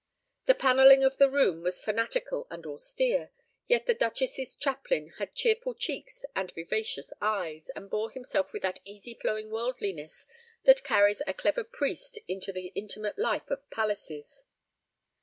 The panelling of the room was fanatical and austere, yet the Duchess's chaplain had cheerful cheeks and vivacious eyes, and bore himself with that easy flowing worldliness that carries a clever priest into the intimate life of palaces.